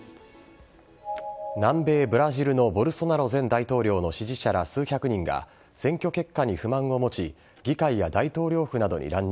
南米ブラジルのボルソナロ前大統領の支持者ら数百人が選挙結果に不満を持ち、議会や大統領府などに乱入。